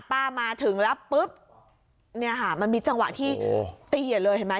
มาถึงแล้วปุ๊บเนี่ยค่ะมันมีจังหวะที่ตีใหญ่เลยเห็นไหม